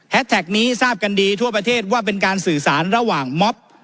แท็กนี้ทราบกันดีทั่วประเทศว่าเป็นการสื่อสารระหว่างม็อบ